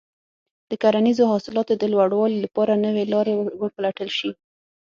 د کرنیزو حاصلاتو د لوړوالي لپاره نوې لارې وپلټل شي.